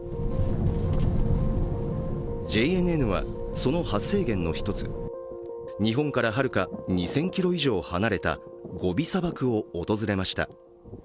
ＪＮＮはその発生源の一つ日本からはるか２０００ｋｍ以上離れたゴビ砂漠を訪れました。